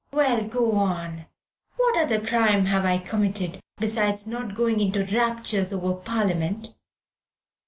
"Well, go on. What other crime have I committed besides not going into raptures over Parliament?"